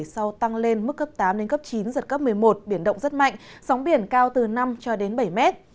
sau tăng lên mức cấp tám chín giật cấp một mươi một biển động rất mạnh sóng biển cao từ năm bảy m